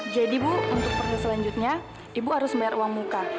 jadi ibu untuk perniagaan selanjutnya ibu harus bayar uang muka